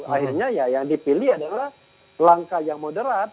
akhirnya ya yang dipilih adalah langkah yang moderat